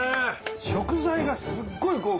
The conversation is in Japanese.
食材がすっごい豪華だもん。